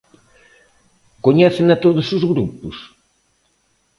¿Coñécena todos os grupos?